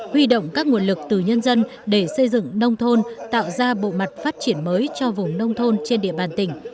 huy động các nguồn lực từ nhân dân để xây dựng nông thôn tạo ra bộ mặt phát triển mới cho vùng nông thôn trên địa bàn tỉnh